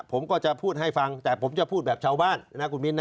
ผมก็จะพูดให้ฟังแต่ผมจะพูดแบบชาวบ้านนะคุณมิ้นนะ